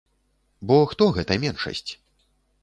Бо хто гэта меншасць?